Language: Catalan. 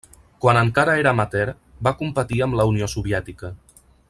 Quan encara era amateur va competir amb la Unió Soviètica.